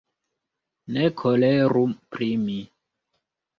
Ne koleru pri mi.